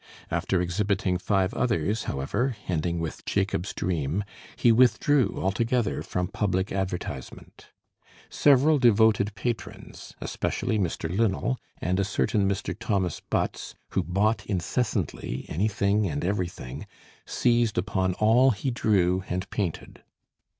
After exhibiting five others, however, ending with 'Jacob's Dream,' he withdrew altogether from public advertisement. Several devoted patrons especially Mr. Linnell, and a certain Mr. Thomas Butts, who bought incessantly, anything and everything, seized upon all he drew and painted.